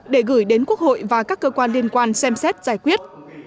để gửi đến quốc hội và các cơ quan liên quan xem xét giải quyết